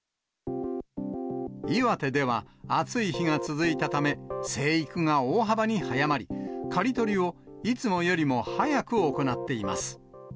岩手では暑い日が続いたため、生育が大幅に早まり、刈り取りをいつもよりも早く行っています。